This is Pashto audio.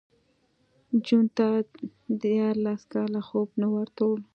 جون ته دیارلس کاله خوب نه ورتلو